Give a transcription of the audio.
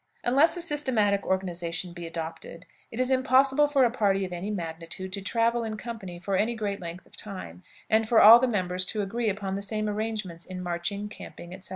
Unless a systematic organization be adopted, it is impossible for a party of any magnitude to travel in company for any great length of time, and for all the members to agree upon the same arrangements in marching, camping, etc.